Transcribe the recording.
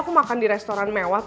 aku mau makan di restoran raffles